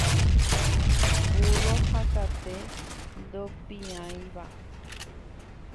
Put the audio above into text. Vúrro ha kate ndopiávai.